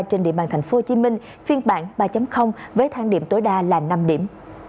trên địa bàn tp hcm phiên bản ba với thang điểm tối đa là năm điểm